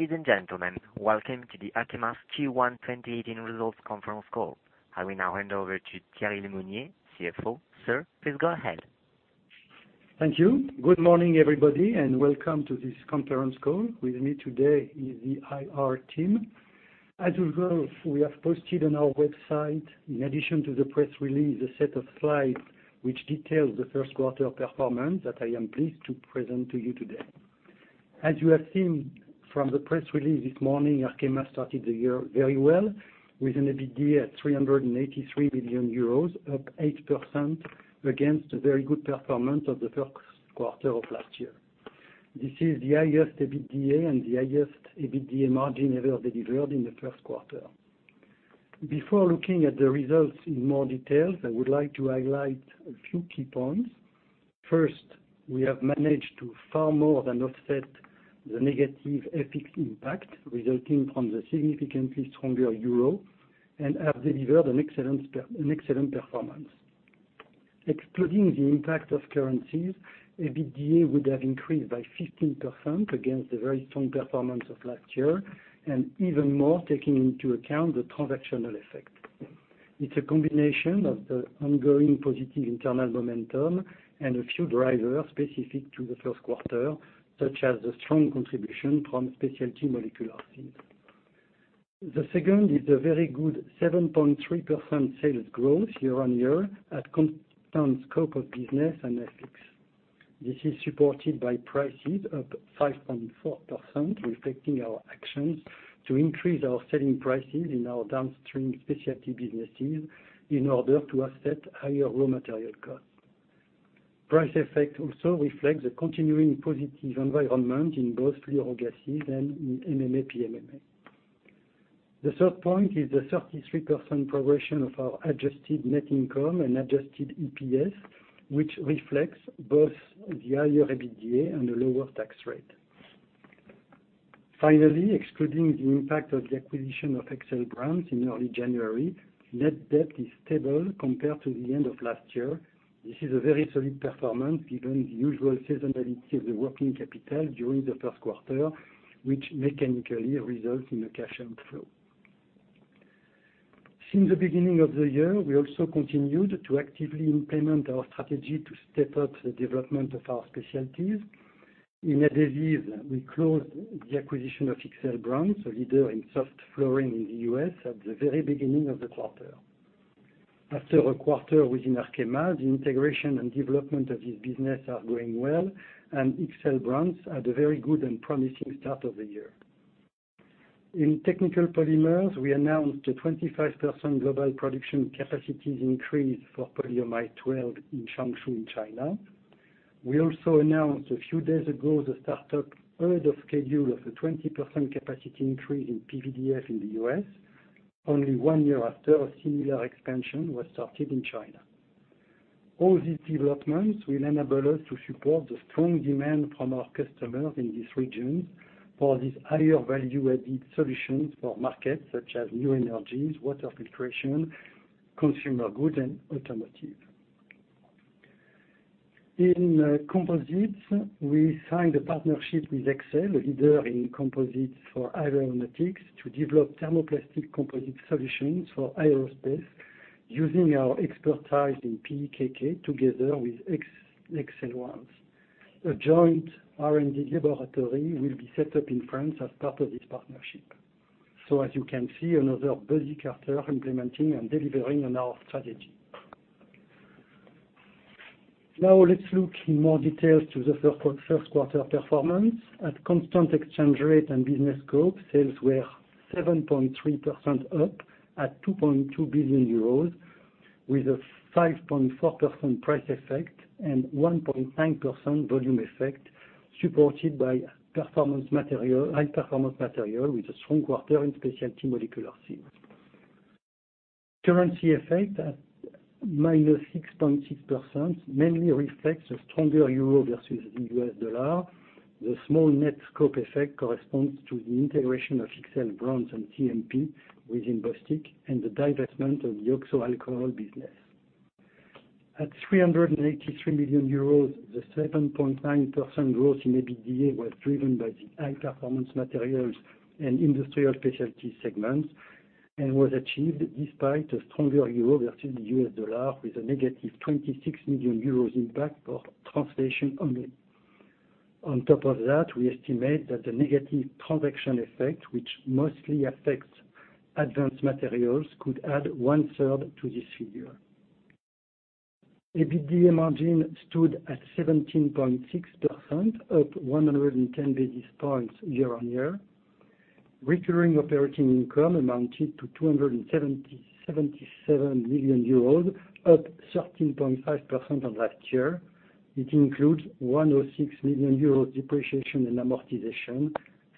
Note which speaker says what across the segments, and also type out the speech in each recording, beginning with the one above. Speaker 1: Ladies and gentlemen, welcome to Arkema's Q1 2018 Results Conference Call. I will now hand over to Thierry Lemonnier, CFO. Sir, please go ahead.
Speaker 2: Thank you. Good morning, everybody, and welcome to this conference call. With me today is the IR team. As usual, we have posted on our website, in addition to the press release, a set of slides which details the first quarter performance that I am pleased to present to you today. As you have seen from the press release this morning, Arkema started the year very well with an EBITDA at 383 million euros, up 8% against a very good performance of the first quarter of last year. This is the highest EBITDA and the highest EBITDA margin ever delivered in the first quarter. Before looking at the results in more detail, I would like to highlight a few key points. First, we have managed to far more than offset the negative FX impact resulting from the significantly stronger euro and have delivered an excellent performance. Excluding the impact of currencies, EBITDA would have increased by 15% against the very strong performance of last year, and even more taking into account the transactional effect. It's a combination of the ongoing positive internal momentum and a few drivers specific to the first quarter, such as the strong contribution from specialty molecular sieves. The second is the very good 7.3% sales growth year-on-year at constant scope of business and FX. This is supported by prices up 5.4%, reflecting our actions to increase our selling prices in our downstream specialty businesses in order to offset higher raw material costs. Price effect also reflects a continuing positive environment in both fluorogases and in MMA/PMMA. The third point is the 33% progression of our adjusted net income and adjusted EPS, which reflects both the higher EBITDA and the lower tax rate. Finally, excluding the impact of the acquisition of XL Brands in early January, net debt is stable compared to the end of last year. This is a very solid performance given the usual seasonality of the working capital during the first quarter, which mechanically results in a cash outflow. Since the beginning of the year, we also continued to actively implement our strategy to step up the development of our specialties. In adhesives, we closed the acquisition of XL Brands, a leader in soft flooring in the U.S., at the very beginning of the quarter. After a quarter within Arkema, the integration and development of this business are going well, and XL Brands had a very good and promising start of the year. In technical polymers, we announced a 25% global production capacities increase for Polyamide 12 in Changshu in China. We also announced a few days ago the start-up ahead of schedule of a 20% capacity increase in PVDF in the U.S., only one year after a similar expansion was started in China. All these developments will enable us to support the strong demand from our customers in these regions for these higher value-added solutions for markets such as new energies, water filtration, consumer goods, and automotive. In composites, we signed a partnership with Hexcel, a leader in composites for aeronautics, to develop thermoplastic composite solutions for aerospace using our expertise in PEKK together with Hexcel ones. A joint R&D laboratory will be set up in France as part of this partnership. As you can see, another busy quarter implementing and delivering on our strategy. Now let's look in more detail to the first quarter performance. At constant exchange rate and business scope, sales were 7.3% up at 2.2 billion euros, with a 5.4% price effect and 1.9% volume effect, supported by High Performance Materials with a strong quarter in specialty molecular sieves. Currency effect at -6.6% mainly reflects a stronger euro versus the U.S. dollar. The small net scope effect corresponds to the integration of XL Brands and CMP within Bostik and the divestment of the Oxo Alcohols business. At 383 million euros, the 7.9% growth in EBITDA was driven by the High Performance Materials and industrial specialty segments and was achieved despite a stronger euro versus the U.S. dollar with a negative 26 million euros impact for translation only. On top of that, we estimate that the negative transaction effect, which mostly affects advanced materials, could add one-third to this figure. EBITDA margin stood at 17.6%, up 110 basis points year-on-year. Recurring operating income amounted to 277 million euros, up 13.5% on last year. It includes 106 million euros depreciation and amortization,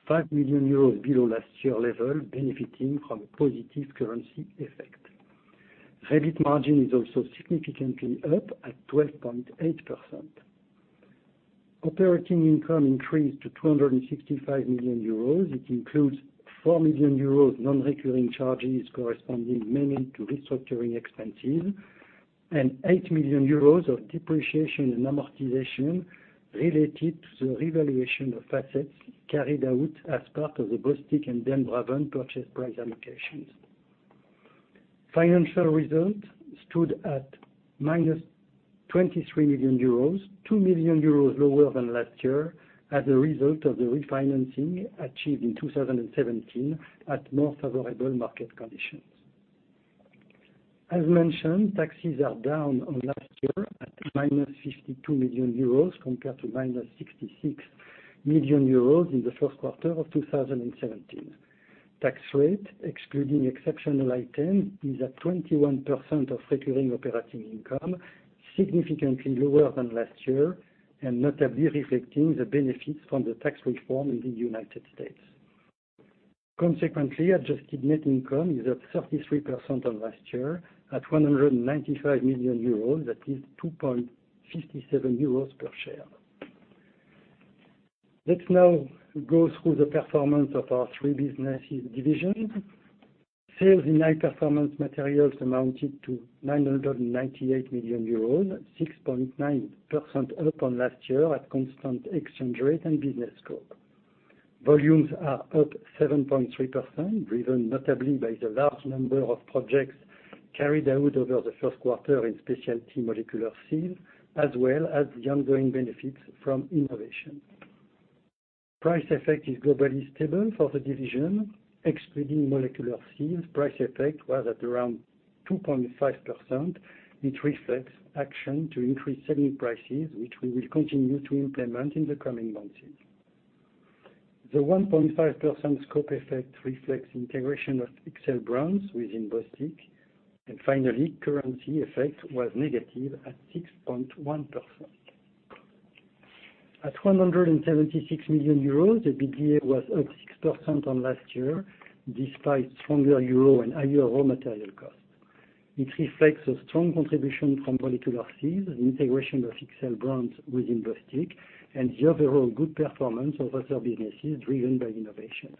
Speaker 2: 5 million euros below last year level, benefiting from a positive currency effect. EBIT margin is also significantly up at 12.8%. Operating income increased to 265 million euros. It includes 4 million euros non-recurring charges corresponding mainly to restructuring expenses. 8 million euros of depreciation and amortization related to the revaluation of assets carried out as part of the Bostik and Den Braven purchase price allocations. Financial result stood at minus 23 million euros, 2 million euros lower than last year as a result of the refinancing achieved in 2017 at more favorable market conditions. As mentioned, taxes are down on last year at minus 52 million euros compared to minus 66 million euros in the first quarter of 2017. Tax rate, excluding exceptional items, is at 21% of recurring operating income, significantly lower than last year, and notably reflecting the benefits from the tax reform in the United States. Consequently, adjusted net income is at 33% on last year at 195 million euros. That is 2.57 euros per share. Let's now go through the performance of our three businesses division. Sales in High Performance Materials amounted to 998 million euros, 6.9% up on last year at constant exchange rate and business scope. Volumes are up 7.3%, driven notably by the large number of projects carried out over the first quarter in specialty molecular sieves, as well as the ongoing benefits from innovation. Price effect is globally stable for the division. Excluding molecular sieves, price effect was at around 2.5%. It reflects action to increase selling prices, which we will continue to implement in the coming months. The 1.5% scope effect reflects integration of XL Brands within Bostik. Finally, currency effect was negative at 6.1%. At 176 million euros, EBITDA was up 6% on last year, despite stronger euro and higher raw material cost. It reflects a strong contribution from molecular sieves and integration of XL Brands within Bostik, the overall good performance of other businesses driven by innovation.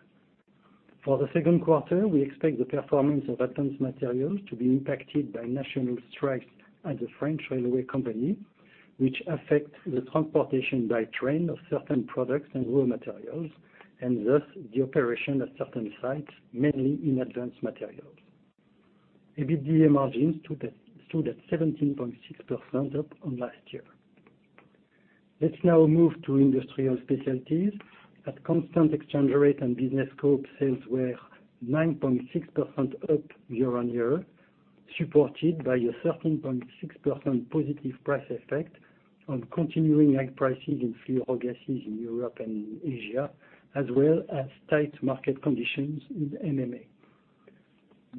Speaker 2: For the second quarter, we expect the performance of Advanced Materials to be impacted by national strikes at the French Railway Company, which affect the transportation by train of certain products and raw materials, thus the operation of certain sites, mainly in Advanced Materials. EBITDA margins stood at 17.6%, up on last year. Let's now move to Industrial Specialties. At constant exchange rate and business scope, sales were 9.6% up year-over-year, supported by a 13.6% positive price effect on continuing high prices in fluorogases in Europe and Asia, as well as tight market conditions in MMA.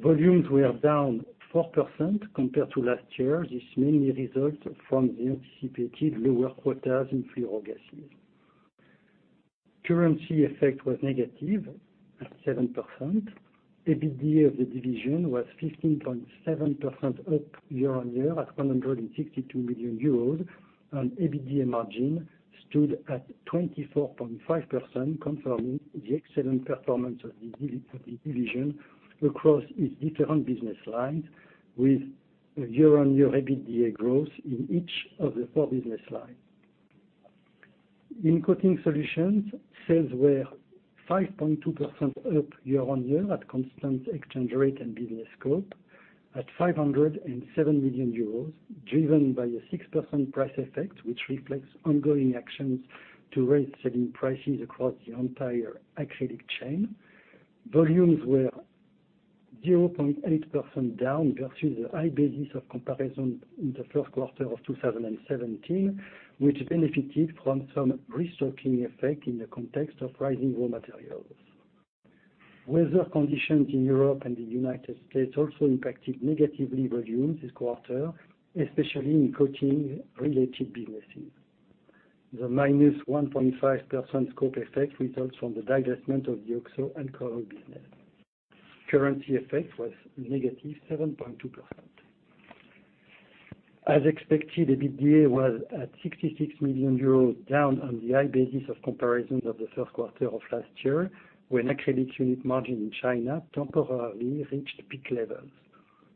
Speaker 2: Volumes were down 4% compared to last year. This mainly results from the anticipated lower quotas in fluorogases. Currency effect was negative at 7%. EBITDA of the division was 15.7% up year-over-year at 162 million euros, EBITDA margin stood at 24.5%, confirming the excellent performance of the division across its different business lines with year-over-year EBITDA growth in each of the four business lines. In Coating Solutions, sales were 5.2% up year-over-year at constant exchange rate and business scope at 507 million euros, driven by a 6% price effect, which reflects ongoing actions to raise selling prices across the entire acrylic chain. Volumes were 0.8% down versus the high basis of comparison in the first quarter of 2017, which benefited from some restocking effect in the context of rising raw materials. Weather conditions in Europe and the U.S. also impacted negatively volumes this quarter, especially in coating related businesses. The -1.5% scope effect results from the divestment of the Oxo Alcohols business. Currency effect was negative 7.2%. As expected, EBITDA was at 66 million euros, down on the high basis of comparison of the first quarter of last year, when acrylic unit margin in China temporarily reached peak levels.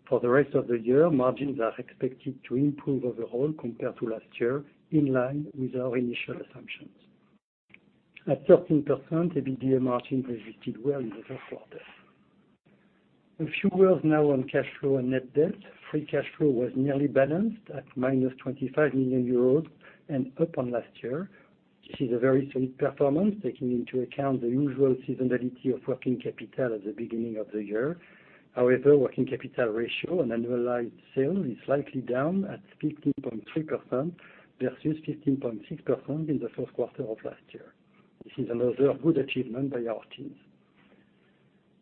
Speaker 2: For the rest of the year, margins are expected to improve overall compared to last year, in line with our initial assumptions. At 13%, EBITDA margin resisted well in the first quarter. A few words now on cash flow and net debt. Free cash flow was nearly balanced at -25 million euros up on last year. This is a very solid performance, taking into account the usual seasonality of working capital at the beginning of the year. Working capital ratio on annualized sales is slightly down at 15.3% versus 15.6% in the first quarter of last year. This is another good achievement by our teams.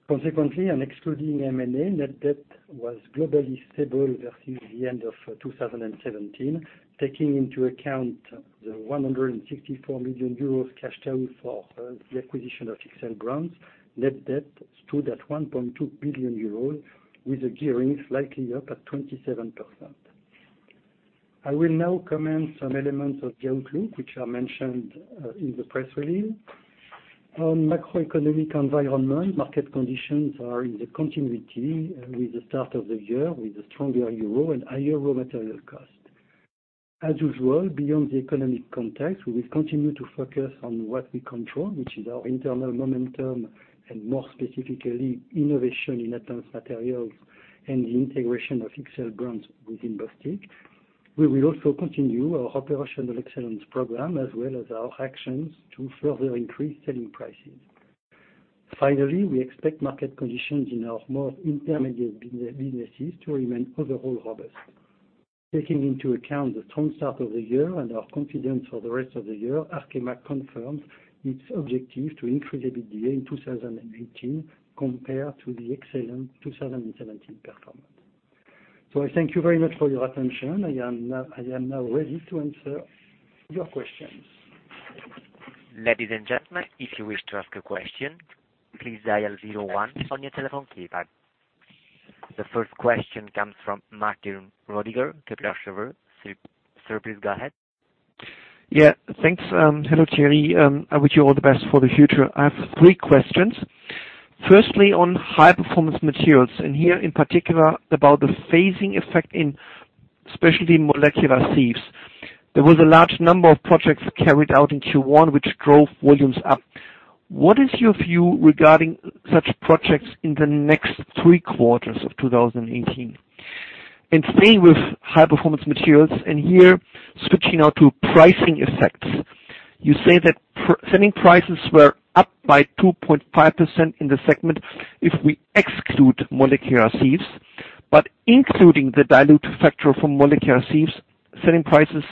Speaker 2: Consequently, excluding M&A, net debt was globally stable versus the end of 2017, taking into account the 164 million euros cash out for the acquisition of XL Brands. Net debt stood at 1.2 billion euros with the gearing slightly up at 27%. I will now comment some elements of the outlook which are mentioned in the press release. On macroeconomic environment, market conditions are in the continuity with the start of the year with a stronger euro and higher raw material cost. As usual, beyond the economic context, we will continue to focus on what we control, which is our internal momentum and more specifically, innovation in advanced materials and the integration of XL Brands within Bostik. We will also continue our operational excellence program as well as our actions to further increase selling prices. Finally, we expect market conditions in our more intermediate businesses to remain overall robust. Taking into account the strong start of the year and our confidence for the rest of the year, Arkema confirms its objective to increase EBITDA in 2018 compared to the excellent 2017 performance. I thank you very much for your attention. I am now ready to answer your questions.
Speaker 1: Ladies and gentlemen, if you wish to ask a question, please dial 01 on your telephone keypad. The first question comes from Martin Roediger, Kepler Cheuvreux. Sir, please go ahead.
Speaker 3: Yeah, thanks. Hello, Thierry. I wish you all the best for the future. I have three questions. Firstly, on High Performance Materials and here in particular about the phasing effect in specialty molecular sieves. There was a large number of projects carried out in Q1 which drove volumes up. What is your view regarding such projects in the next three quarters of 2018? Staying with High Performance Materials and here switching now to pricing effects. You say that selling prices were up by 2.5% in the segment if we exclude molecular sieves, but including the dilute factor from molecular sieves, selling prices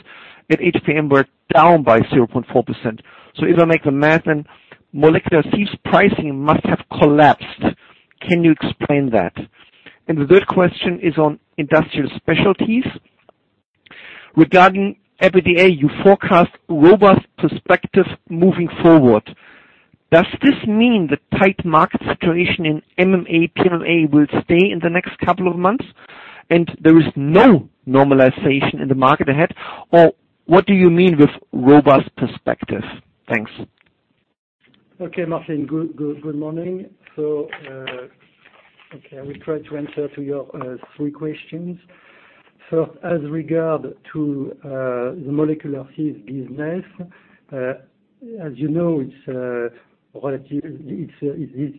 Speaker 3: at HPM were down by 0.4%. If I make the math, then molecular sieves pricing must have collapsed. Can you explain that? The third question is on Industrial Specialties. Regarding EBITDA, you forecast robust perspective moving forward. Does this mean the tight market situation in MMA, PMMA will stay in the next couple of months and there is no normalization in the market ahead? What do you mean with robust perspective? Thanks.
Speaker 2: Okay, Martin. Good morning. Okay, I will try to answer your three questions. As regards to the molecular sieves business. As you know, this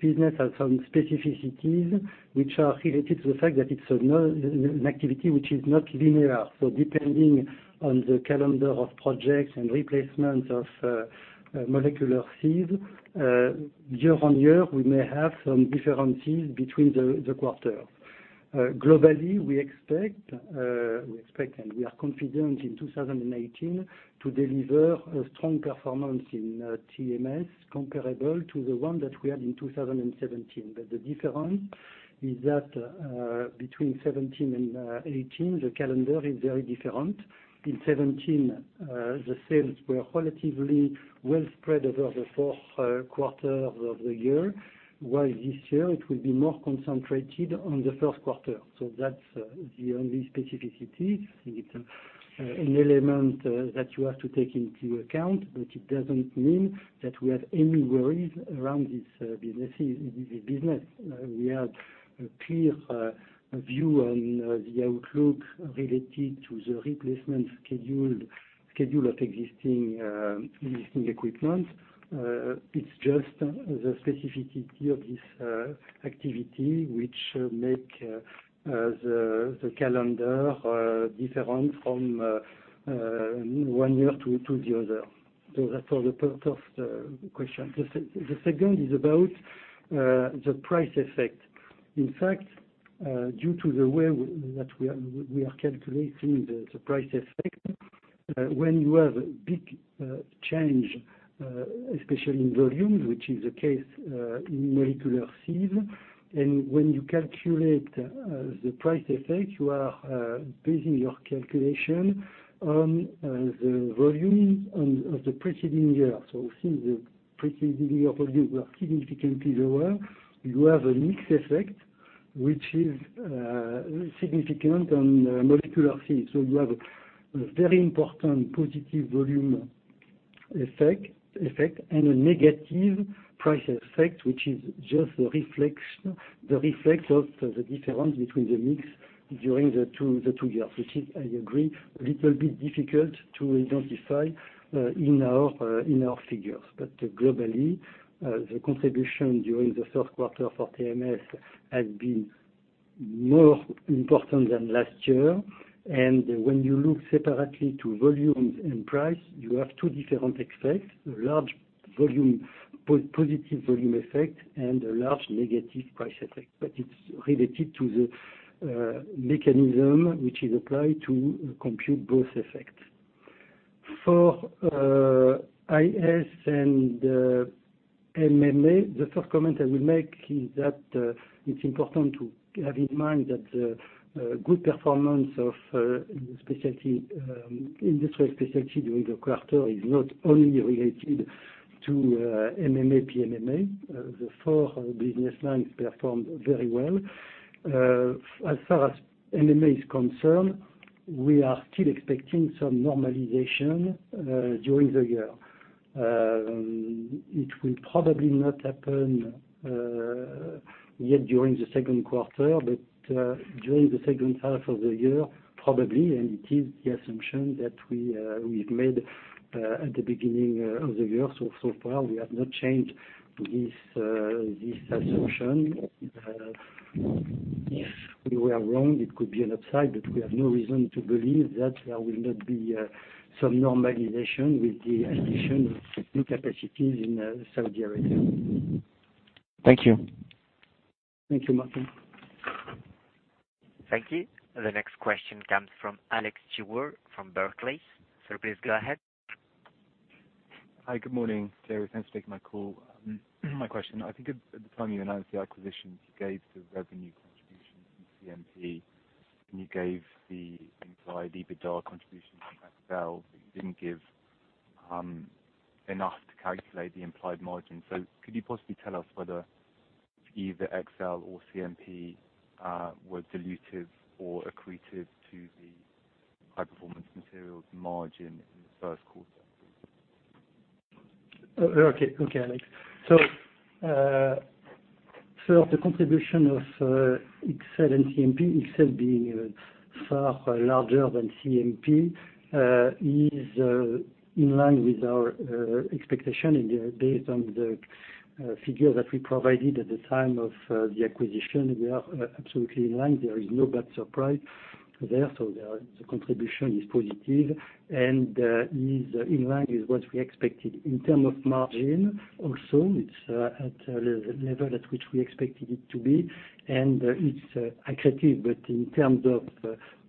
Speaker 2: business has some specificities which are related to the fact that it's an activity which is not linear. Depending on the calendar of projects and replacements of molecular sieve, year-on-year, we may have some differences between the quarters. Globally, we expect and we are confident in 2018 to deliver a strong performance in TMS comparable to the one that we had in 2017. The difference is that between 2017 and 2018, the calendar is very different. In 2017, the sales were relatively well spread over the fourth quarter of the year. While this year it will be more concentrated on the first quarter. That's the only specificity. It's an element that you have to take into account. It doesn't mean that we have any worries around this business. We have a clear view on the outlook related to the replacement schedule of existing equipment. It's just the specificity of this activity which make the calendar different from one year to the other. That's all the part of the question. The second is about the price effect. In fact, due to the way that we are calculating the price effect, when you have a big change, especially in volumes, which is the case in molecular sieve, and when you calculate the price effect, you are basing your calculation on the volume of the preceding year. Since the preceding year volumes were significantly lower, you have a mix effect, which is significant on molecular sieve. You have a very important positive volume effect and a negative price effect, which is just the reflex of the difference between the mix during the two years, which is, I agree, a little bit difficult to identify in our figures. Globally, the contribution during the first quarter for TMS has been more important than last year. When you look separately to volumes and price, you have two different effects, a large positive volume effect, and a large negative price effect. It's related to the mechanism which is applied to compute both effects. For IS and MMA, the first comment I will make is that it's important to have in mind that the good performance of Industrial Specialty during the quarter is not only related to MMA, PMMA. The four business lines performed very well. As far as MMA is concerned, we are still expecting some normalization during the year. It will probably not happen yet during the second quarter, but during the second half of the year, probably, and it is the assumption that we've made at the beginning of the year. So far, we have not changed this assumption. If we were wrong, it could be an upside, but we have no reason to believe that there will not be some normalization with the addition of new capacities in Saudi Arabia.
Speaker 3: Thank you.
Speaker 2: Thank you, Martin.
Speaker 1: Thank you. The next question comes from Alex Stewart from Barclays. Sir, please go ahead.
Speaker 4: Hi. Good morning, Thierry. Thanks for taking my call. My question, I think at the time you announced the acquisition, you gave the revenue contribution from CMP, and you gave the implied EBITDA contribution from XL, but you didn't give enough to calculate the implied margin. Could you possibly tell us whether either XL or CMP were dilutive or accretive to the High Performance Materials margin in the first quarter?
Speaker 2: Okay, Alex Stewart. The contribution of XL and CMP, XL being far larger than CMP, is in line with our expectation and based on the figure that we provided at the time of the acquisition, we are absolutely in line. There is no bad surprise there. The contribution is positive and is in line with what we expected. In term of margin, also, it's at a level at which we expected it to be, and it's accretive. In terms of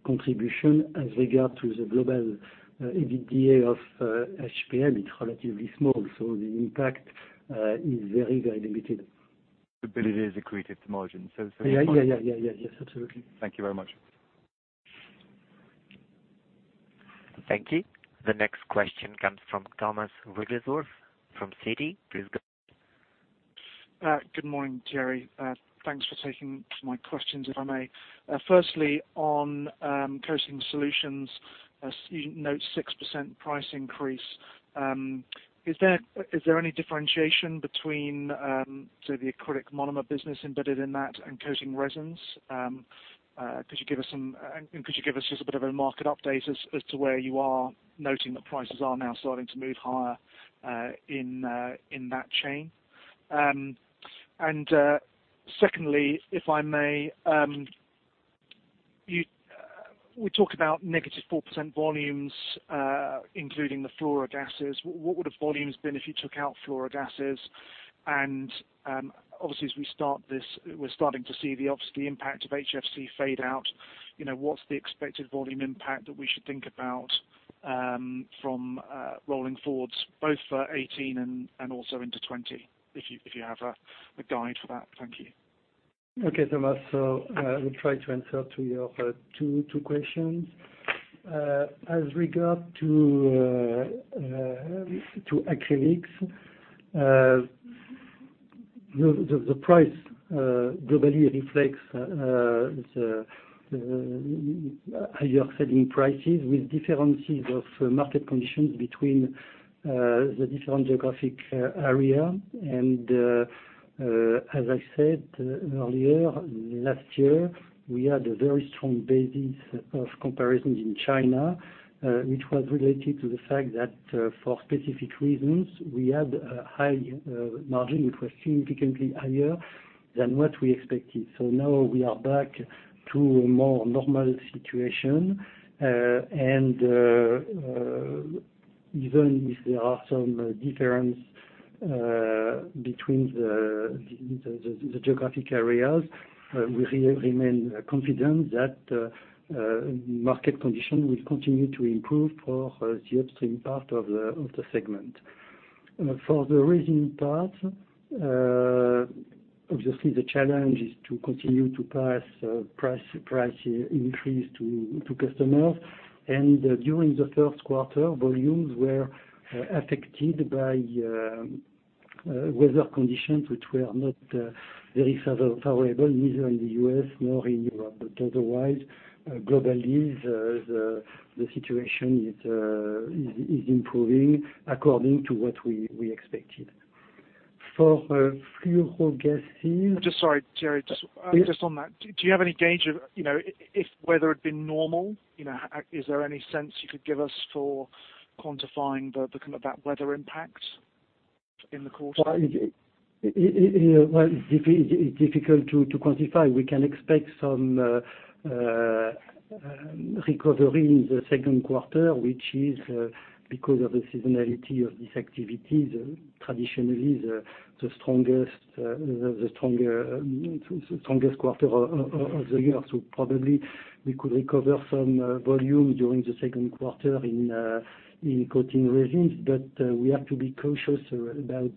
Speaker 2: contribution, as regard to the global EBITDA of HPM, it's relatively small, so the impact is very limited.
Speaker 4: It is accretive to margin.
Speaker 2: Yeah. Yes, absolutely.
Speaker 4: Thank you very much.
Speaker 1: Thank you. The next question comes from Thomas Wrigglesworth from Citi. Please go ahead.
Speaker 5: Good morning, Thierry. Thanks for taking my questions, if I may. Firstly, on Coating Solutions, you note 6% price increase. Is there any differentiation between, say, the acrylic monomer business embedded in that and coating resins? Could you give us just a bit of a market update as to where you are, noting that prices are now starting to move higher in that chain? Secondly, if I may, we talked about negative 4% volumes, including the fluorogases. What would have volumes been if you took out fluorogases? Obviously, as we start this, we're starting to see obviously the impact of HFC fade out. What's the expected volume impact that we should think about from rolling forwards both for 2018 and also into 2020, if you have a guide for that? Thank you.
Speaker 2: Okay, Thomas. I will try to answer to your two questions. As regard to acrylics, the price globally reflects the higher selling prices with differences of market conditions between the different geographic area. As I said earlier, last year, we had a very strong basis of comparisons in China, which was related to the fact that for specific reasons, we had a high margin, which was significantly higher than what we expected. Now we are back to a more normal situation. Even if there are some difference between the geographic areas, we remain confident that market condition will continue to improve for the upstream part of the segment. For the resin part, obviously the challenge is to continue to pass price increase to customers. During the first quarter, volumes were affected by weather conditions, which were not very favorable, neither in the U.S. nor in Europe. Otherwise, globally, the situation is improving according to what we expected.
Speaker 5: Just sorry, Thierry.
Speaker 2: Yes.
Speaker 5: Just on that, do you have any gauge of if, whether it had been normal? Is there any sense you could give us for quantifying the kind of that weather impact in the quarter?
Speaker 2: It's difficult to quantify. We can expect some recovery in the second quarter, which is because of the seasonality of these activities, traditionally the strongest quarter of the year. Probably we could recover some volume during the second quarter in coating resins. We have to be cautious about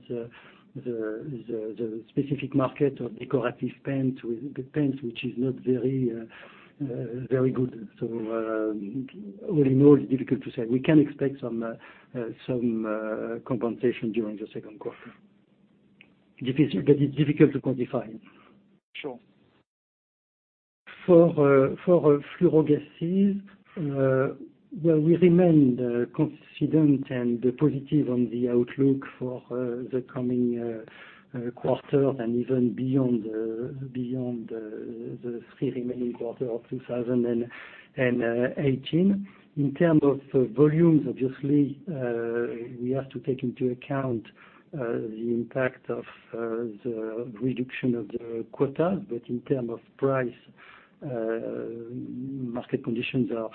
Speaker 2: the specific market of decorative paint, with paint which is not very good. All in all, it's difficult to say. We can expect some compensation during the second quarter. It's difficult to quantify.
Speaker 5: Sure.
Speaker 2: For fluorogases, we remain confident and positive on the outlook for the coming quarter and even beyond the 3 remaining quarters of 2018. In terms of volumes, obviously, we have to take into account the impact of the reduction of the quota. In terms of price, market conditions are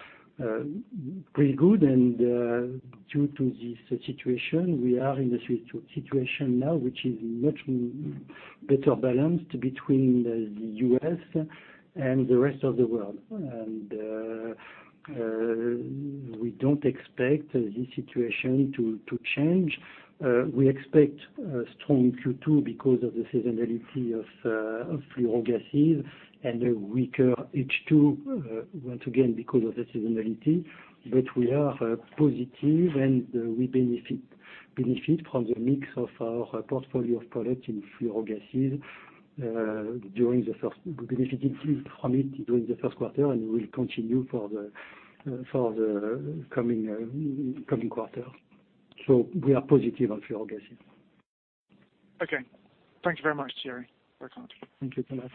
Speaker 2: pretty good and due to this situation, we are in the situation now, which is much better balanced between the U.S. and the rest of the world. We don't expect this situation to change. We expect a strong Q2 because of the seasonality of fluorogases and a weaker H2, once again because of the seasonality. We are positive, and we benefit from the mix of our portfolio of products in fluorogases, benefited from it during the first quarter, and will continue for the coming quarters. We are positive on fluorogases.
Speaker 5: Okay. Thank you very much, Thierry. Very clear.
Speaker 2: Thank you, Thomas.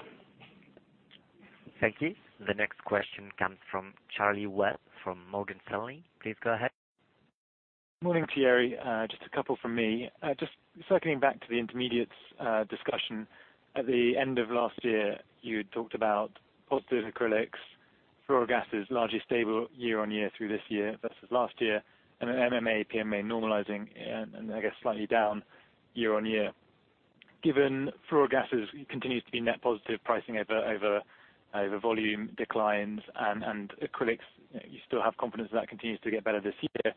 Speaker 1: Thank you. The next question comes from Charlie Webb from Morgan Stanley. Please go ahead.
Speaker 6: Morning, Thierry. Just a couple from me. Just circling back to the intermediates discussion. At the end of last year, you had talked about positive acrylics, fluorogases, largely stable year-on-year through this year versus last year, then MMA, PMMA normalizing and I guess slightly down year-on-year. Given fluorogases continues to be net positive pricing over volume declines and acrylics, you still have confidence that continues to get better this year.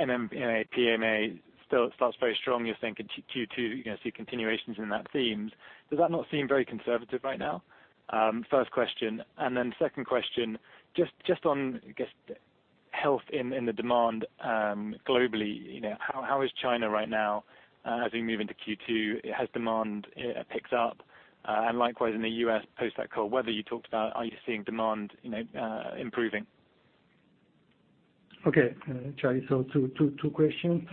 Speaker 6: MMA, PMMA still starts very strong. You're thinking Q2, you're going to see continuations in that theme. Does that not seem very conservative right now? First question. Then second question, just on, I guess, health in the demand globally, how is China right now as we move into Q2? Has demand picked up? And likewise, in the U.S. post that cold weather you talked about, are you seeing demand improving?
Speaker 2: Okay, Charlie, two questions.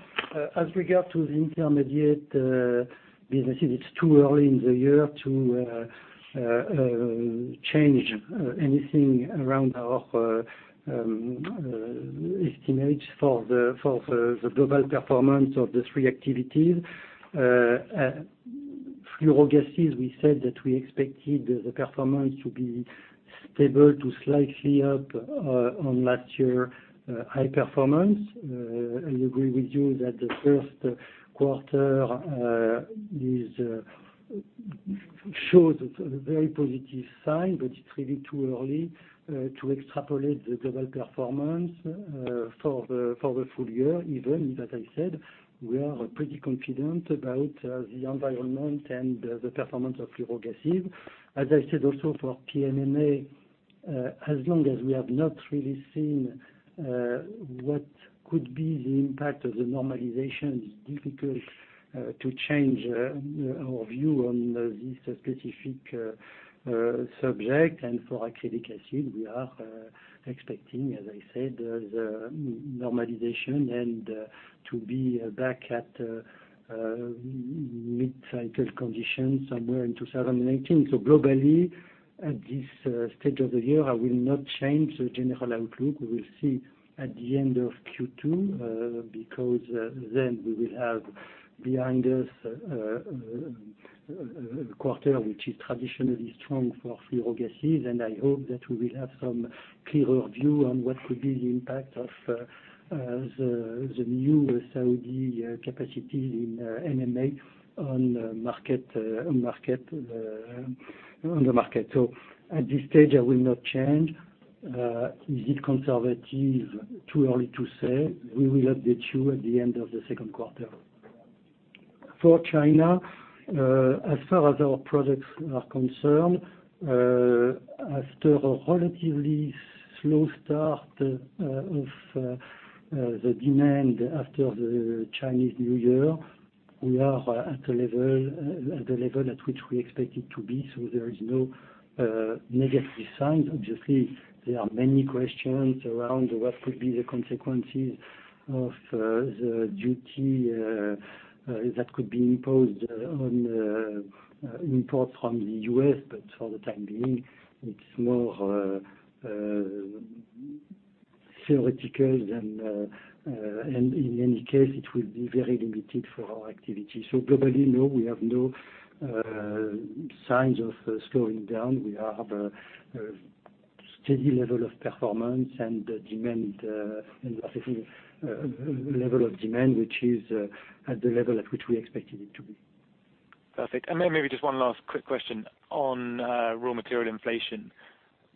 Speaker 2: As regard to the intermediate businesses, it's too early in the year to change anything around our estimates for the global performance of the three activities. Fluorogases, we said that we expected the performance to be stable to slightly up on last year high performance. I agree with you that the first quarter shows a very positive sign, but it's really too early to extrapolate the global performance for the full year, even if, as I said, we are pretty confident about the environment and the performance of fluorogases. As I said also for PMMA, as long as we have not really seen what could be the impact of the normalization, it's difficult to change our view on this specific subject. For acrylic acid, we are expecting, as I said, the normalization and to be back at mid-cycle conditions somewhere in 2018. Globally, at this stage of the year, I will not change the general outlook. We will see at the end of Q2, because then we will have behind us a quarter which is traditionally strong for fluorogases, and I hope that we will have some clearer view on what could be the impact of the new Saudi capacity in MMA on the market. At this stage, I will not change. Is it conservative? Too early to say. We will update you at the end of the second quarter. For China, as far as our products are concerned, after a relatively slow start of the demand after the Chinese New Year, we are at the level at which we expect it to be. There is no negative signs. Obviously, there are many questions around what could be the consequences of the duty that could be imposed on imports from the U.S., but for the time being, it's more theoretical than. In any case, it will be very limited for our activity. Globally, no, we have no signs of slowing down. We have a steady level of performance and a level of demand which is at the level at which we expected it to be.
Speaker 6: Perfect. Then maybe just one last quick question on raw material inflation.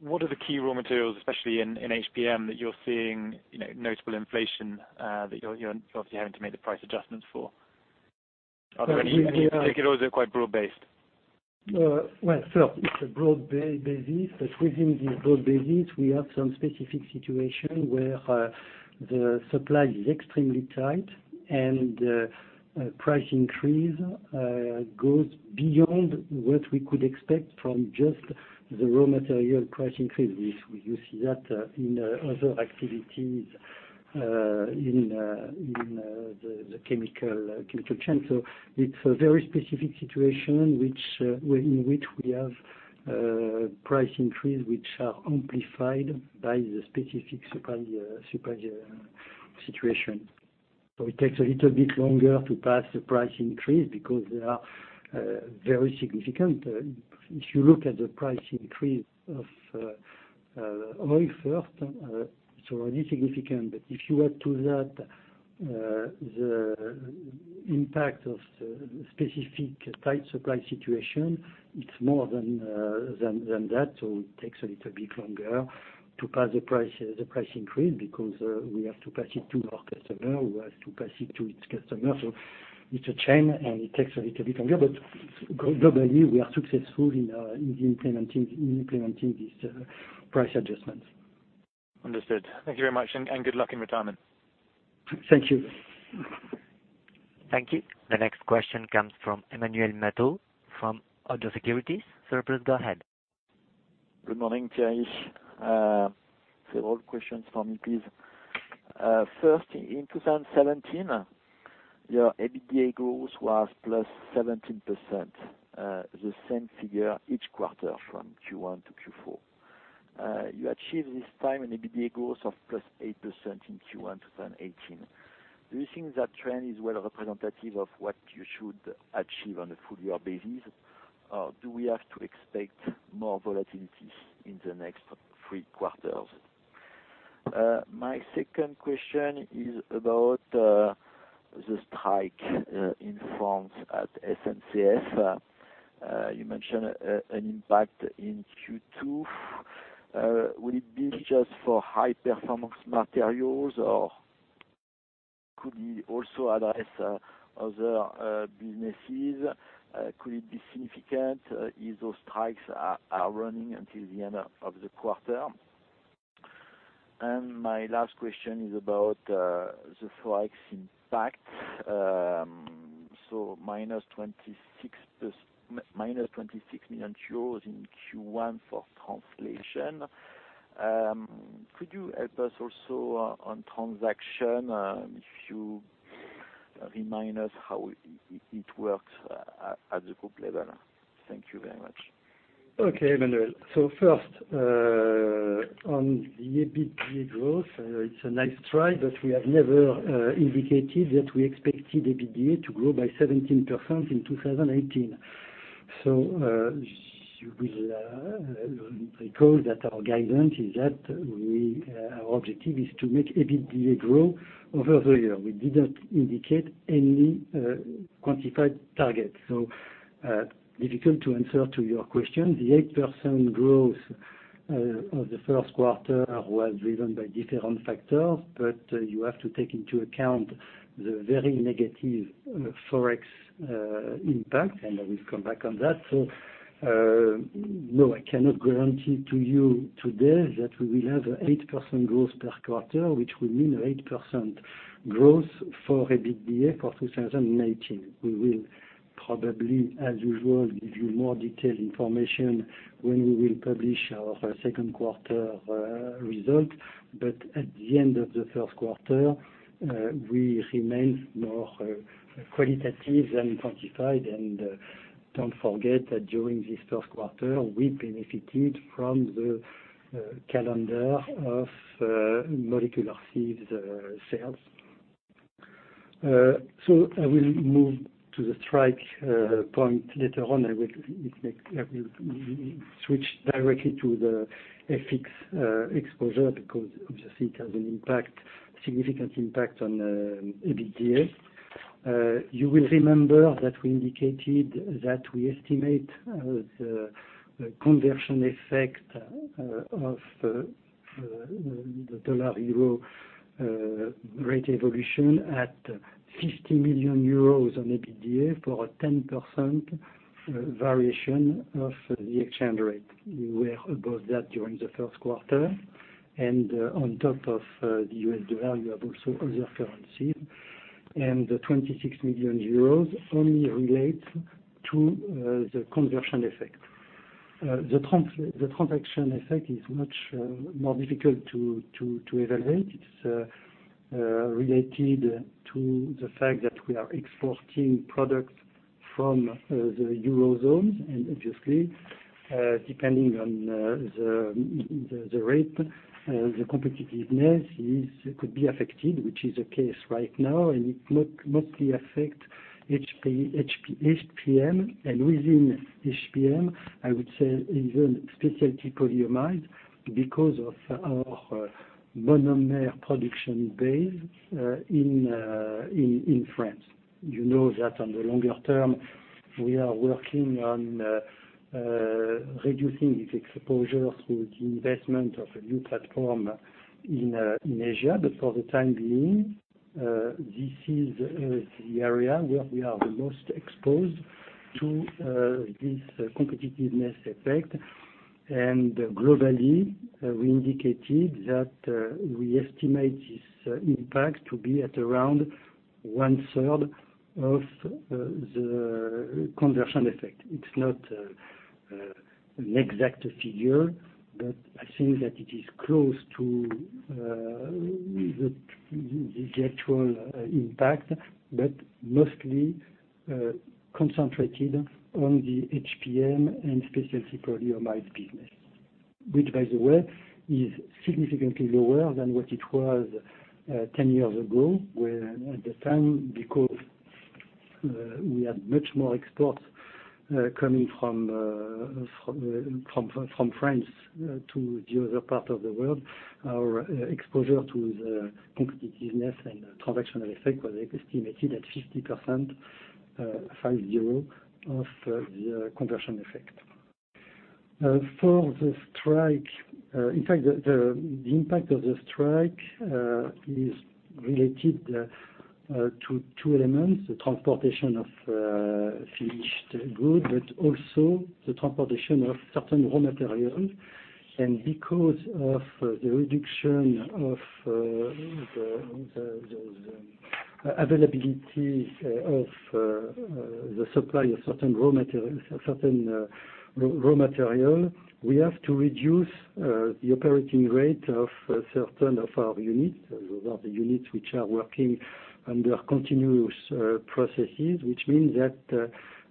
Speaker 6: What are the key raw materials, especially in HPM, that you're seeing notable inflation that you're obviously having to make the price adjustments for? Are there any or is it quite broad-based?
Speaker 2: First, it's a broad-based basis, within this broad basis, we have some specific situation where the supply is extremely tight and price increase goes beyond what we could expect from just the raw material price increase. You see that in other activities in the chemical chain. It's a very specific situation in which we have price increase, which are amplified by the specific supply situation. It takes a little bit longer to pass the price increase because they are very significant. If you look at the price increase of oil first, it's already significant. If you add to that the impact of the specific tight supply situation, it's more than that. It takes a little bit longer to pass the price increase because we have to pass it to our customer, who has to pass it to its customer. It's a chain, it takes a little bit longer. Globally, we are successful in implementing these price adjustments.
Speaker 6: Understood. Thank you very much. Good luck in retirement.
Speaker 2: Thank you.
Speaker 1: Thank you. The next question comes from Emmanuel Matot from Oddo BHF. Sir, please go ahead.
Speaker 7: Good morning, Thierry. Several questions from me, please. First, in 2017, your EBITDA growth was +17%, the same figure each quarter from Q1 to Q4. You achieved this time an EBITDA growth of +8% in Q1 2018. Do you think that trend is well representative of what you should achieve on a full year basis? Do we have to expect more volatility in the next three quarters? My second question is about the strike in France at SNCF. You mentioned an impact in Q2. Will it be just for High Performance Materials, or could it also address other businesses? Could it be significant if those strikes are running until the end of the quarter? My last question is about the Forex impact. Minus 26 million euros in Q1 for translation. Could you help us also on transaction, if you remind us how it works at the group level? Thank you very much.
Speaker 2: Okay, Emmanuel. First, on the EBITDA growth, it's a nice try, we have never indicated that we expected EBITDA to grow by 17% in 2018. You will recall that our guidance is that our objective is to make EBITDA grow over the year. We didn't indicate any quantified target. Difficult to answer to your question. The 8% growth of the first quarter was driven by different factors, you have to take into account the very negative Forex impact, I will come back on that. No, I cannot guarantee to you today that we will have 8% growth per quarter, which will mean 8% growth for EBITDA for 2018. We will probably, as usual, give you more detailed information when we will publish our second quarter result. At the end of the first quarter, we remain more qualitative than quantified. Don't forget that during this first quarter, we benefited from the calendar of molecular sieves sales. I will move to the strike point later on. I will switch directly to the FX exposure because obviously it has a significant impact on EBITDA. You will remember that we indicated that we estimate the conversion effect of the U.S. dollar-euro rate evolution at 50 million euros on EBITDA for a 10% variation of the exchange rate. We were above that during the first quarter. On top of the U.S. dollar, you have also other currencies, and the 26 million euros only relate to the conversion effect. The transaction effect is much more difficult to evaluate. It's related to the fact that we are exporting products from the Eurozone, and obviously, depending on the rate, the competitiveness could be affected, which is the case right now, and it mostly affect HPM. Within HPM, I would say even specialty polyamides because of our monomer production base in France. You know that on the longer term, we are working on reducing this exposure through the investment of a new platform in Asia. For the time being This is the area where we are the most exposed to this competitiveness effect. Globally, we indicated that we estimate this impact to be at around one third of the conversion effect. It's not an exact figure, but I think that it is close to the actual impact, but mostly concentrated on the HPM and specialty polymers business. Which by the way, is significantly lower than what it was 10 years ago, where at the time, because we had much more exports coming from France to the other parts of the world. Our exposure to the competitiveness and transaction effect was estimated at 50% of the conversion effect. For the strike, in fact, the impact of the strike is related to two elements, the transportation of finished goods, but also the transportation of certain raw materials. Because of the reduction of the availability of the supply of certain raw material, we have to reduce the operating rate of certain of our units. Those are the units which are working under continuous processes, which means that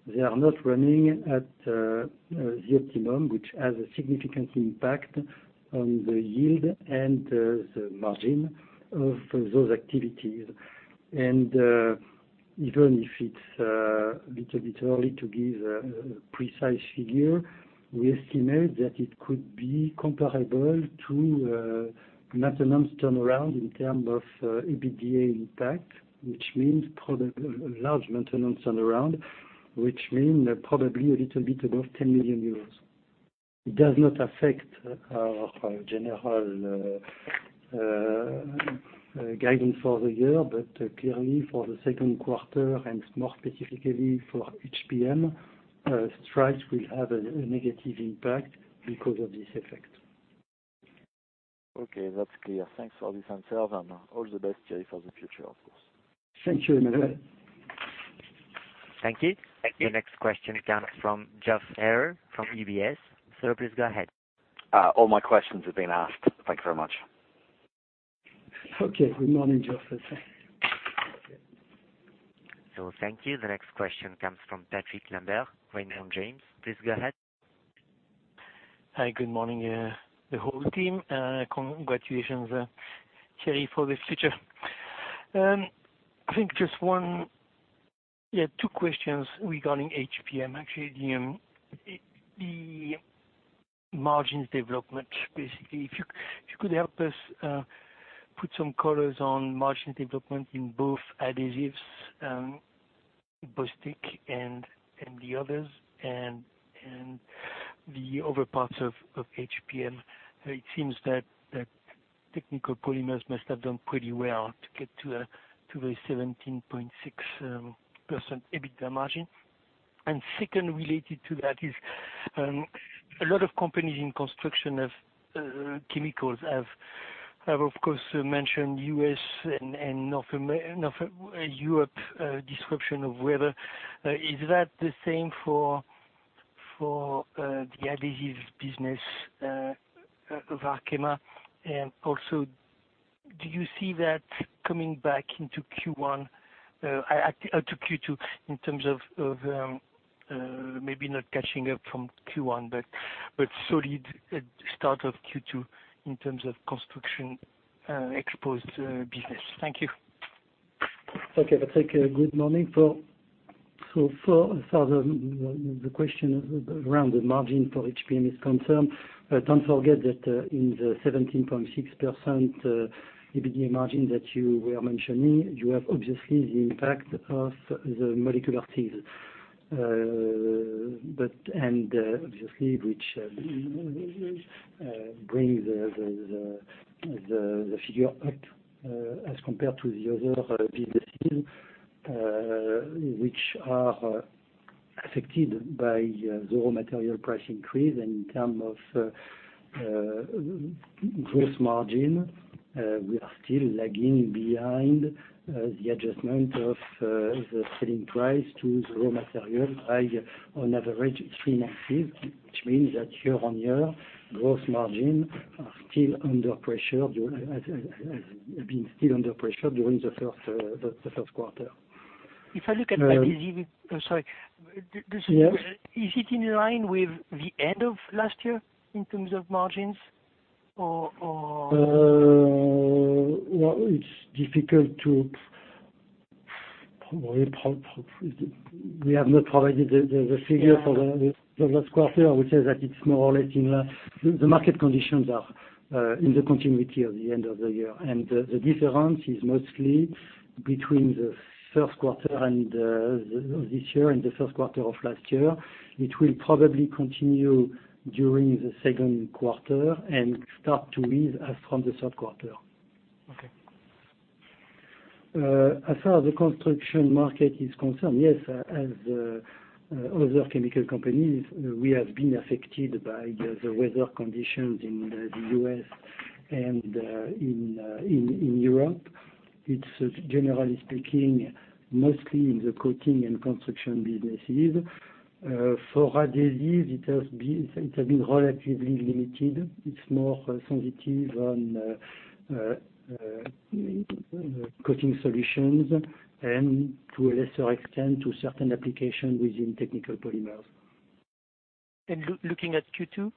Speaker 2: they are not running at the optimum, which has a significant impact on the yield and the margin of those activities. Even if it's a little bit early to give a precise figure, we estimate that it could be comparable to maintenance turnaround in terms of EBITDA impact, which means probably a large maintenance turnaround, which mean probably a little bit above 10 million euros. It does not affect our general guidance for the year, but clearly for the second quarter and more specifically for HPM, strikes will have a negative impact because of this effect.
Speaker 7: Okay, that's clear. Thanks for this answer and all the best, Thierry, for the future, of course.
Speaker 2: Thank you, Emmanuel.
Speaker 1: Thank you.
Speaker 2: Thank you.
Speaker 1: The next question comes from Geoff Haire from UBS. Sir, please go ahead.
Speaker 8: All my questions have been asked. Thank you very much.
Speaker 2: Good morning, Geoff.
Speaker 1: Thank you. The next question comes from Patrick Lambert, Raymond James. Please go ahead.
Speaker 9: Hi, good morning here, the whole team. Congratulations, Thierry, for this future. I think just one, two questions regarding HPM. Actually, the margins development, basically. If you could help us put some colors on margin development in both adhesives, Bostik and the others, and the other parts of HPM. It seems that technical polymers must have done pretty well to get to the 17.6% EBITDA margin. Second, related to that is, a lot of companies in construction of chemicals have, of course, mentioned U.S. and Europe disruption of weather. Is that the same for the adhesives business of Arkema? Also, do you see that coming back into Q2 in terms of, maybe not catching up from Q1, but solid start of Q2 in terms of construction-exposed business. Thank you.
Speaker 2: Okay, Patrick. Good morning. For the question around the margin for HPM is concerned, don't forget that in the 17.6% EBITDA margin that you were mentioning, you have obviously the impact of the molecular sieves. Obviously, which brings the figure up as compared to the other businesses which are affected by the raw material price increase in term of gross margin. We are still lagging behind the adjustment of the selling price to the raw material by on average three months, which means that year-on-year, gross margin have been still under pressure during the first quarter.
Speaker 9: If I look at adhesives-- Sorry.
Speaker 2: Yes.
Speaker 9: Is it in line with the end of last year in terms of margins?
Speaker 2: Well, We have not provided the figure.
Speaker 9: Yeah
Speaker 2: for the last quarter, which is that it's more or less in the market conditions are in the continuity of the end of the year. The difference is mostly between this year and the first quarter of last year. It will probably continue during the second quarter and start to ease as from the third quarter. As far as the construction market is concerned, yes, as other chemical companies, we have been affected by the weather conditions in the U.S. and in Europe. It's generally speaking, mostly in the coating and construction businesses. For adhesives, it has been relatively limited. It's more sensitive on Coating Solutions and to a lesser extent, to certain application within technical polymers.
Speaker 9: Looking at Q2, are we back on track?
Speaker 2: On Q2,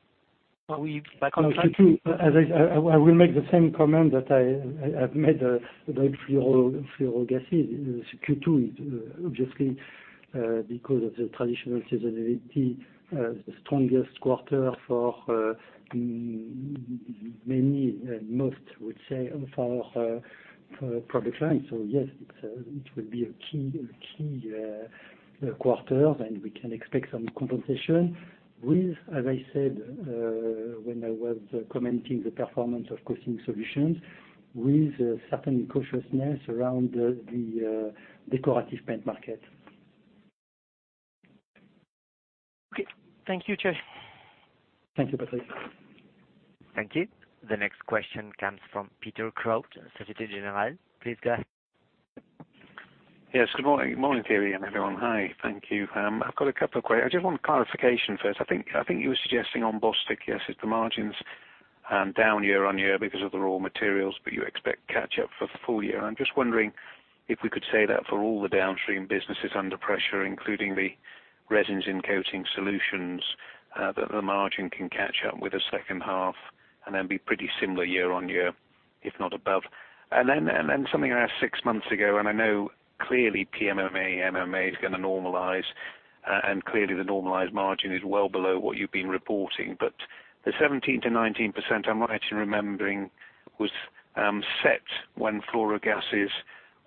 Speaker 2: I will make the same comment that I have made about fluorogases. Q2 is obviously, because of the traditional seasonality, the strongest quarter for many, most would say, for our product line. Yes, it will be a key quarter and we can expect some compensation with, as I said, when I was commenting the performance of Coating Solutions, with certain cautiousness around the decorative paint market.
Speaker 9: Okay. Thank you, Thierry.
Speaker 2: Thank you, Patrick.
Speaker 1: Thank you. The next question comes from Peter Clark, Societe Generale. Please go ahead.
Speaker 10: Yes. Good morning, Thierry, and everyone. Hi. Thank you. I've got a couple of questions. I just want clarification first. I think you were suggesting on Bostik, yes, the margins down year-on-year because of the raw materials, but you expect catch up for the full year. I'm just wondering if we could say that for all the downstream businesses under pressure, including the resins in Coating Solutions, that the margin can catch up with the second half and then be pretty similar year-on-year, if not above. Something I asked six months ago, and I know clearly PMMA, MMA is going to normalize, and clearly the normalized margin is well below what you've been reporting. The 17%-19%, I'm right in remembering, was set when fluorogases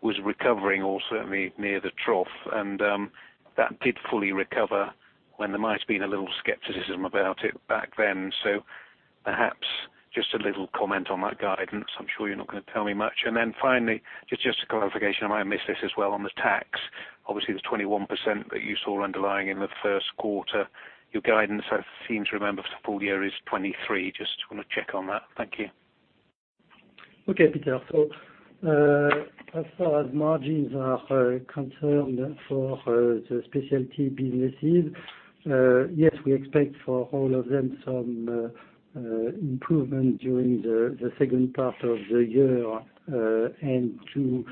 Speaker 10: was recovering or certainly near the trough, and that did fully recover when there might have been a little skepticism about it back then. Perhaps just a little comment on that guidance. I'm sure you're not going to tell me much. Finally, just a clarification, I might have missed this as well. On the tax, obviously, the 21% that you saw underlying in the first quarter, your guidance, I seem to remember, for the full year is 23%. Just want to check on that. Thank you.
Speaker 2: Okay, Peter. As far as margins are concerned for the specialty businesses, yes, we expect for all of them some improvement during the second part of the year and to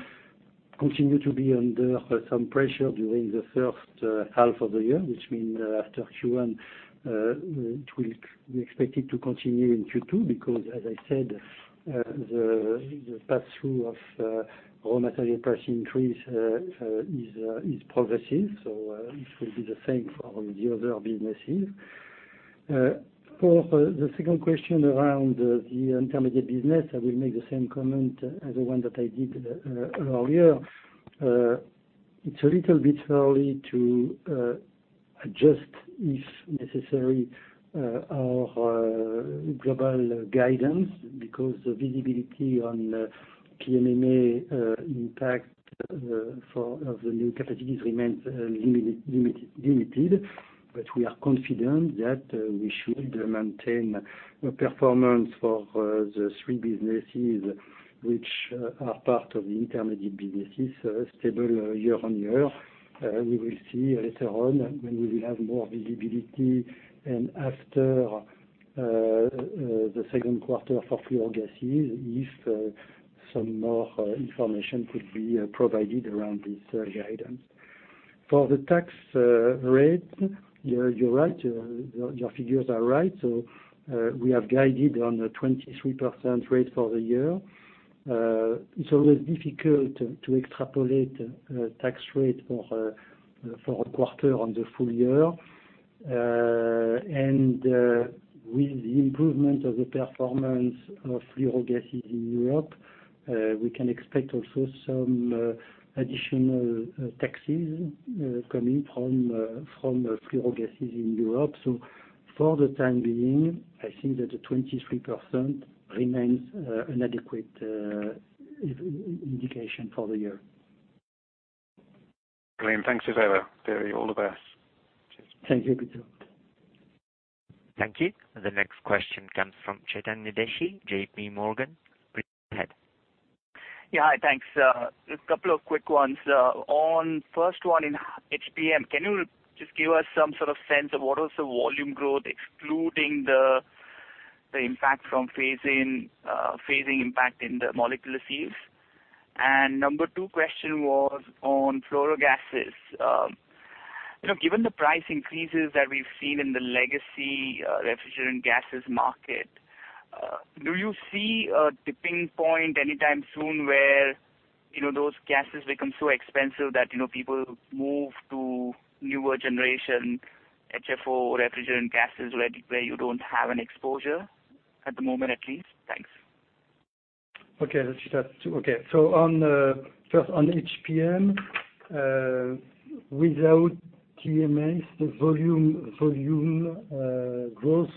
Speaker 2: continue to be under some pressure during the first half of the year. Which means after Q1, we expect it to continue in Q2 because, as I said, the pass-through of raw material price increase is progressive, it will be the same for all the other businesses. For the second question around the intermediate business, I will make the same comment as the one that I did earlier. It's a little bit early to adjust, if necessary, our global guidance because the visibility on PMMA impact of the new capacities remains limited. We are confident that we should maintain performance for the three businesses which are part of the intermediate businesses stable year-on-year. We will see later on when we will have more visibility and after the second quarter for fluorogases, if some more information could be provided around this guidance. For the tax rate, you're right. Your figures are right. We have guided on a 23% rate for the year. It's always difficult to extrapolate a tax rate for a quarter on the full year. With the improvement of the performance of fluorogases in Europe, we can expect also some additional taxes coming from fluorogases in Europe. For the time being, I think that the 23% remains an adequate indication for the year.
Speaker 10: Brilliant. Thanks as ever, Thierry. All the best. Cheers.
Speaker 2: Thank you, Peter.
Speaker 1: Thank you. The next question comes from Chetan Udeshi, J.P. Morgan. Please go ahead.
Speaker 11: Yeah. Hi, thanks. Just couple of quick ones. On first one in HPM, can you just give us some sort of sense of what is the volume growth, excluding the impact from phasing impact in the molecular sieves? And number two question was on fluorogases. Given the price increases that we've seen in the legacy refrigerant gases market, do you see a tipping point anytime soon where those gases become so expensive that people move to newer generation HFO refrigerant gases where you don't have an exposure at the moment, at least? Thanks.
Speaker 2: Okay. First on HPM, without TMS, the volume growth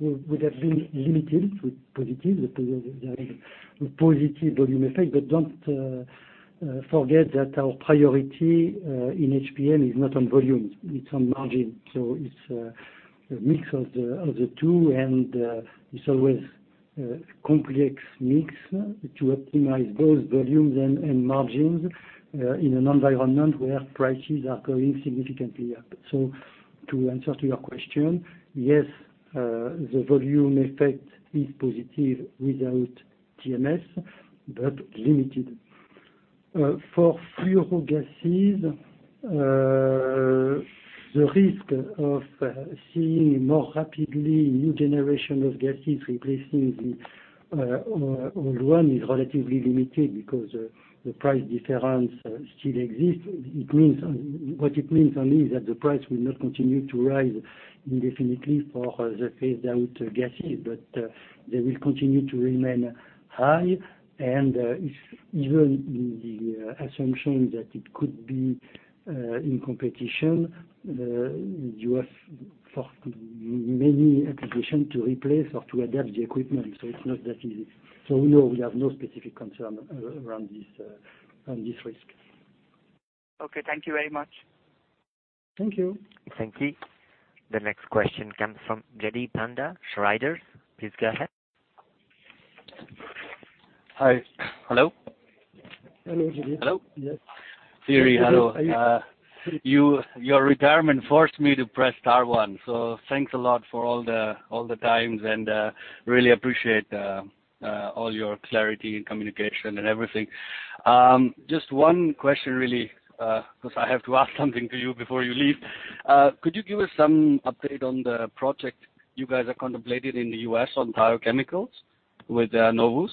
Speaker 2: would have been limited with positive volume effect. Don't forget that our priority in HPM is not on volumes, it's on margin. It's a mix of the two, and it's always a complex mix to optimize both volumes and margins in an environment where prices are going significantly up. To answer to your question, yes, the volume effect is positive without TMS, but limited. For fluorogases, the risk of seeing more rapidly new generation of gases replacing the old one is relatively limited because the price difference still exists. What it means only is that the price will not continue to rise indefinitely for the phased-out gases, but they will continue to remain high. If even the assumption that it could be in competition, you have many applications to replace or to adapt the equipment, it's not that easy. No, we have no specific concern around this risk.
Speaker 11: Okay, thank you very much.
Speaker 2: Thank you.
Speaker 1: Thank you. The next question comes from Jaideep Pandya, Schroders. Please go ahead.
Speaker 12: Hi. Hello?
Speaker 2: Hello, Jaideep.
Speaker 12: Hello.
Speaker 2: Yes.
Speaker 12: Thierry, hello. Your retirement forced me to press star one, thanks a lot for all the times and really appreciate all your clarity and communication and everything. One question really, because I have to ask something to you before you leave. Could you give us some update on the project you guys are contemplating in the U.S. on thiochemicals with Novus?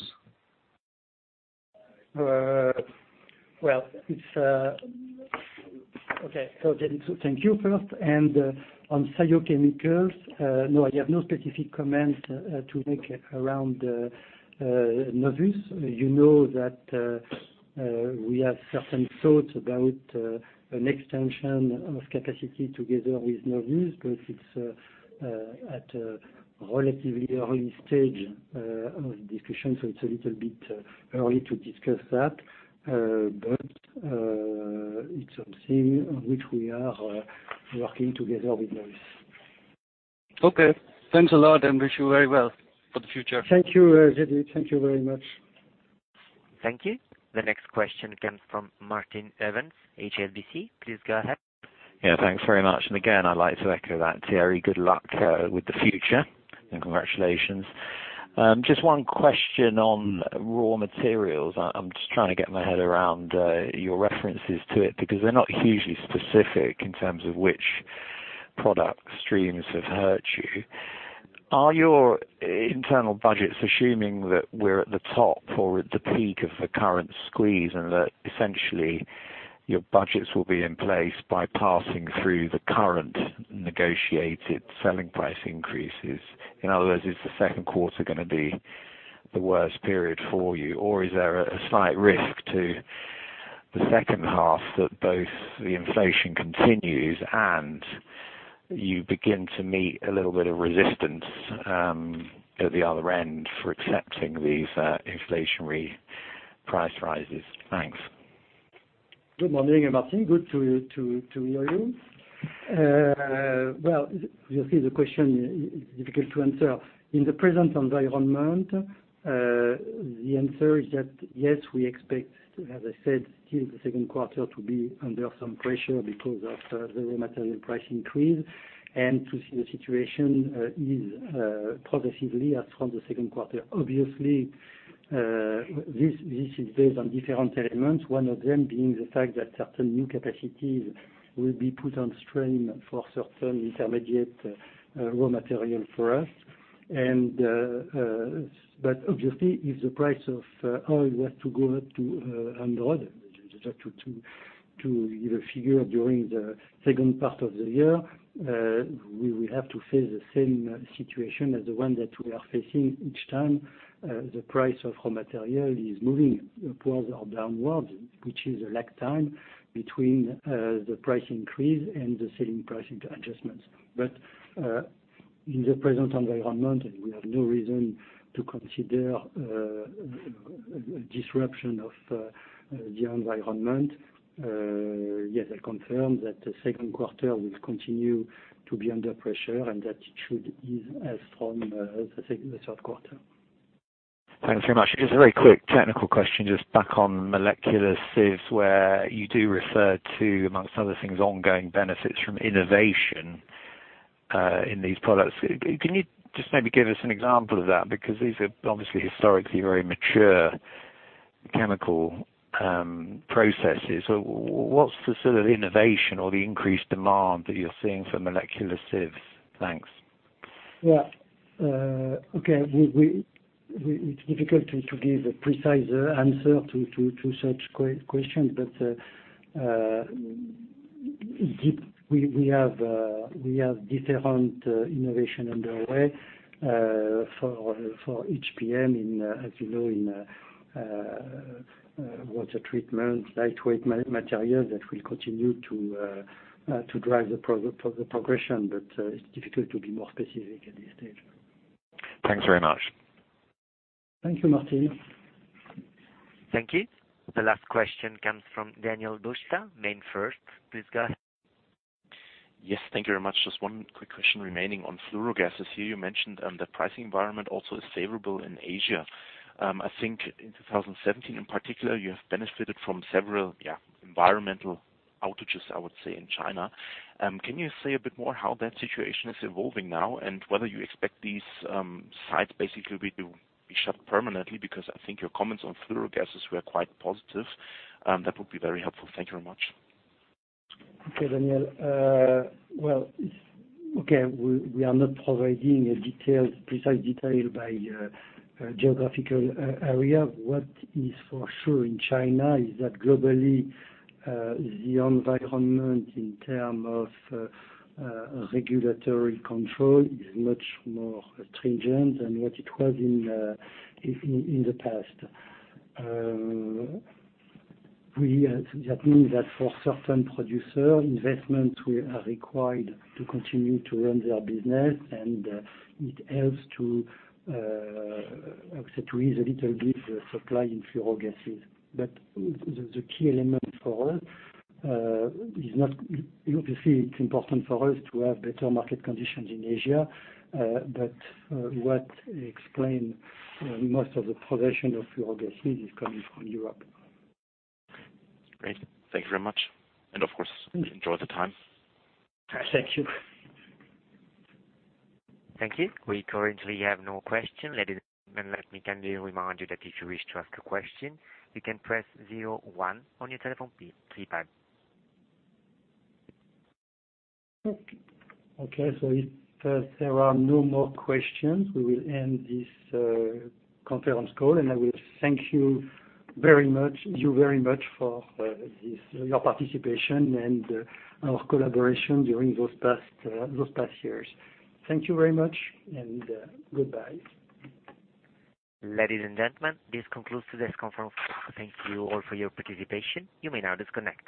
Speaker 2: Well, okay. Jaideep, thank you first. On thiochemicals, no, I have no specific comment to make around Novus. You know that we have certain thoughts about an extension of capacity together with Novus, but it's at a relatively early stage of the discussion, so it's a little bit early to discuss that. It's something on which we are working together with Novus.
Speaker 12: Okay. Thanks a lot. Wish you very well for the future.
Speaker 2: Thank you, Jaideep. Thank you very much.
Speaker 1: Thank you. The next question comes from Martin Evans, HSBC. Please go ahead.
Speaker 13: Thanks very much. Again, I'd like to echo that, Thierry, good luck with the future, and congratulations. Just one question on raw materials. I'm just trying to get my head around your references to it, because they're not hugely specific in terms of which product streams have hurt you. Are your internal budgets assuming that we're at the top or at the peak of the current squeeze, and that essentially your budgets will be in place by passing through the current negotiated selling price increases? In other words, is the second quarter going to be the worst period for you? Is there a slight risk to the second half that both the inflation continues and you begin to meet a little bit of resistance at the other end for accepting these inflationary price rises? Thanks.
Speaker 2: Good morning, Martin. Good to hear you. Well, you see the question is difficult to answer. In the present environment, the answer is that, yes, we expect, as I said, still the second quarter to be under some pressure because of the raw material price increase and to see the situation ease progressively as from the second quarter. Obviously, this is based on different elements, one of them being the fact that certain new capacities will be put on stream for certain intermediate raw material for us. Obviously, if the price of oil was to go up to 100, just to give a figure, during the second part of the year, we will have to face the same situation as the one that we are facing each time the price of raw material is moving upwards or downwards, which is a lag time between the price increase and the selling price adjustments. In the present environment, we have no reason to consider a disruption of the environment. Yes, I confirm that the second quarter will continue to be under pressure, and that it should ease as from the third quarter.
Speaker 13: Thanks very much. Just a very quick technical question, just back on Molecular Sieves, where you do refer to, amongst other things, ongoing benefits from innovation in these products. Can you just maybe give us an example of that? These are obviously historically very mature chemical processes. What's the sort of innovation or the increased demand that you're seeing for Molecular Sieves? Thanks.
Speaker 2: Yeah. Okay. It's difficult to give a precise answer to such questions. We have different innovation underway for HPM in, as you know, in water treatment, lightweight materials that will continue to drive the progression, it's difficult to be more specific at this stage.
Speaker 13: Thanks very much.
Speaker 2: Thank you, Martin.
Speaker 1: Thank you. The last question comes from Daniel Buchta, MainFirst. Please go ahead.
Speaker 14: Yes, thank you very much. Just one quick question remaining on fluorogases. Here you mentioned the pricing environment also is favorable in Asia. I think in 2017, in particular, you have benefited from several environmental outages, I would say, in China. Can you say a bit more how that situation is evolving now, and whether you expect these sites basically will be shut permanently? Because I think your comments on fluorogases were quite positive. That would be very helpful. Thank you very much.
Speaker 2: Okay, Daniel. Well, okay, we are not providing a precise detail by geographical area. What is for sure in China is that globally, the environment in terms of regulatory control is much more stringent than what it was in the past. That means that for certain producers, investments are required to continue to run their business, and it helps to ease a little bit the supply in fluorogases. Obviously, it's important for us to have better market conditions in Asia. What explains most of the progression of fluorogases is coming from Europe.
Speaker 14: Great. Thank you very much. Of course, enjoy the time.
Speaker 2: Thank you.
Speaker 1: Thank you. We currently have no questions. Ladies and gentlemen, let me kindly remind you that if you wish to ask a question, you can press 01 on your telephone keypad.
Speaker 2: If there are no more questions, we will end this conference call, and I will thank you very much for your participation and our collaboration during those past years. Thank you very much, and goodbye.
Speaker 1: Ladies and gentlemen, this concludes today's conference call. Thank you all for your participation. You may now disconnect.